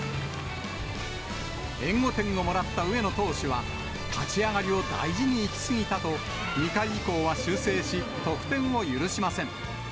援護点をもらった上野投手は、立ち上がりを大事にいきすぎたと、２回以降は修正し、得点を許しません。